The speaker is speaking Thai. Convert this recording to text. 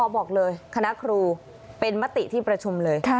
บอกเลยคณะครูเป็นมติที่ประชุมเลย